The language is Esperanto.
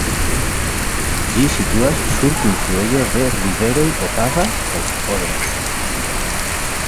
Ĝi situas sur kunfluejo de riveroj Opava kaj Odra.